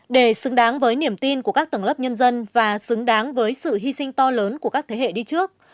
để xứng đáng với niềm tin của các tầng lớp nhân dân và xứng đáng với sự hy sinh to lớn của các thế hệ đi trước